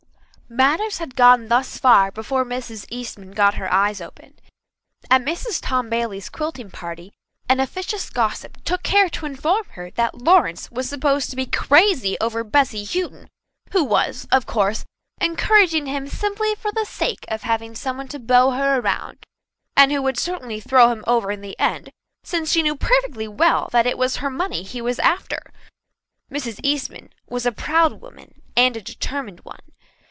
Matters had gone thus far before Mrs. Eastman got her eyes opened. At Mrs. Tom Bailey's quilting party an officious gossip took care to inform her that Lawrence was supposed to be crazy over Bessy Houghton, who was, of course, encouraging him simply for the sake of having someone to beau her round, and who would certainly throw him over in the end since she knew perfectly well that it was her money he was after. Mrs. Eastman was a proud woman and a determined one.